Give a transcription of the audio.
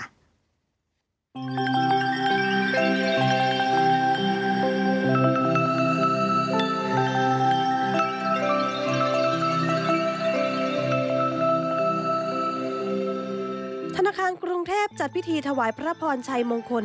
ธนาคารกรุงเทพจัดพิธีถวายพระพรชัยมงคล